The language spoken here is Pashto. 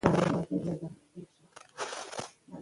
مېلې د زدهکړي یوه غیري مستقیمه لاره ده.